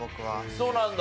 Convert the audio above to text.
そうなんだ。